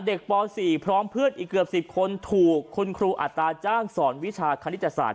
เด็กป่อสี่พร้อมเพื่อนอีกเกือบสิบคนถูกคุณครูอาตาจ้างสอนวิชาคณิตศาสตร์